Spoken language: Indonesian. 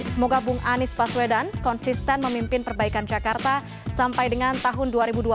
semoga bung anies baswedan konsisten memimpin perbaikan jakarta sampai dengan tahun dua ribu dua puluh